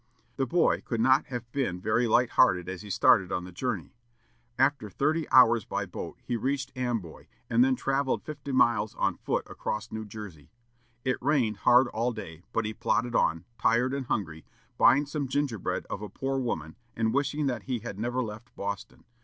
The boy could not have been very light hearted as he started on the journey. After thirty hours by boat, he reached Amboy, and then travelled fifty miles on foot across New Jersey. It rained hard all day, but he plodded on, tired and hungry, buying some gingerbread of a poor woman, and wishing that he had never left Boston.